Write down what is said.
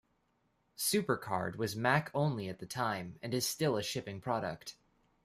SuperCard was Mac-only at the time, and is still a shipping product.